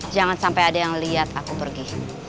jangan sampai ada yang lihat aku pergi